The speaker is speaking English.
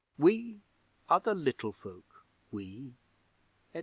We are the Little Folk, we, etc.